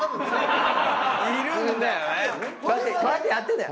いるんだよね。